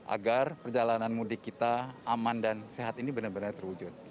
agar perjalanan mudik kita aman dan sehat ini benar benar terwujud